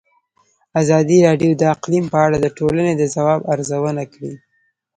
ازادي راډیو د اقلیم په اړه د ټولنې د ځواب ارزونه کړې.